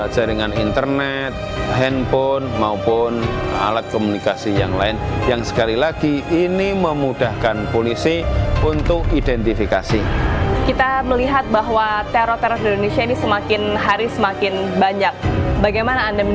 jaringan bahru naim